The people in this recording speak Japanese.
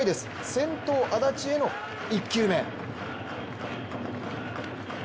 先頭・安達への１球目。